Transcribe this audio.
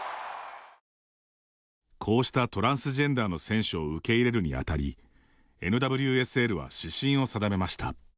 こうしたトランスジェンダーの選手を受け入れるにあたりＮＷＳＬは指針を定めました。